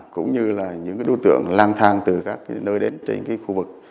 cũng như là những đối tượng lang thang từ các nơi đến trên khu vực